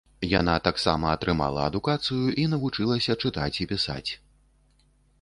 Яна таксама атрымала адукацыю і навучылася чытаць і пісаць.